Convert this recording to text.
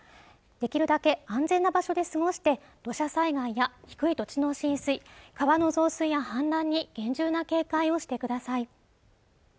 できるだけ安全な場所で過ごして土砂災害や低い土地の浸水川の増水や氾濫に厳重な警戒をしてください